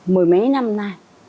mười mấy năm nay